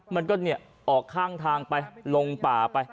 มันก็ออกข้างทางไปลงป่าไป